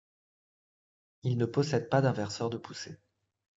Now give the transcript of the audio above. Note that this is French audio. Ils ne possèdent pas d'inverseur de poussée.